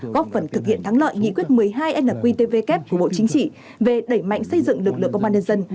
góp phần thực hiện thắng lợi nghị quyết một mươi hai nqtvk của bộ chính trị về đẩy mạnh xây dựng lực lượng công an nhân dân